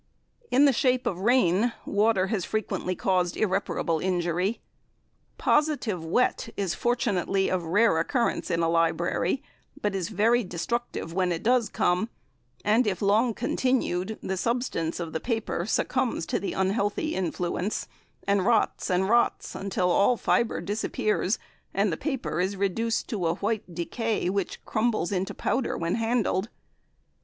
In the shape of rain, water has frequently caused irreparable injury. Positive wet is fortunately of rare occurrence in a library, but is very destructive when it does come, and, if long continued, the substance of the paper succumbs to the unhealthy influence and rots and rots until all fibre disappears, and the paper is reduced to a white decay which crumbles into powder when handled.